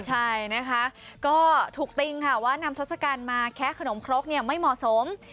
ใช่นะครับก็ถูกติงว่านำทศกรรมมาแคะขนมครกไม่เหมาะสม